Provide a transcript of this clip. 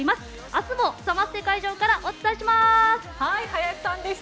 明日もサマステ会場からお伝えします。